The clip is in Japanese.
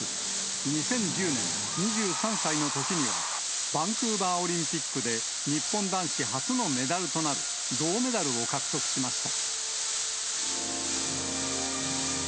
２０１０年、２３歳のときには、バンクーバーオリンピックで日本男子初のメダルとなる銅メダルを獲得しました。